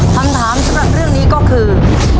คำถามสำหรับเรื่องนี้ก็คือ